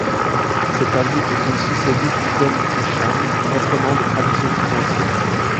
Cet avis est aussi celui d’Ibn Hisham reprenant des traditions plus anciennes.